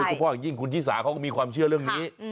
เฉพาะอย่างยิ่งคุณชิสาเขาก็มีความเชื่อเรื่องนี้